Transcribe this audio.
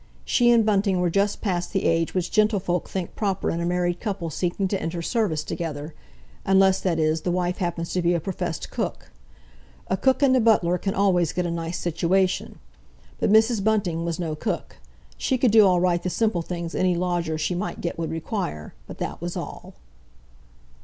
She and Bunting were just past the age which gentlefolk think proper in a married couple seeking to enter service together, unless, that is, the wife happens to be a professed cook. A cook and a butler can always get a nice situation. But Mrs. Bunting was no cook. She could do all right the simple things any lodger she might get would require, but that was all.